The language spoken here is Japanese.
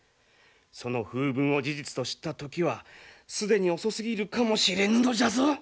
その風聞を事実と知った時は既に遅すぎるかもしれぬのじゃぞ！